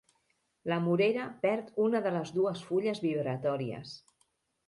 La morera perd una de les dues fulles vibratòries.